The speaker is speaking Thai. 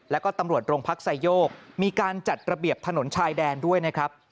แล้วก็ตำรวจโรงพักไซโยกมีการจัดระเบียบถนนชายแดนด้วยนะครับ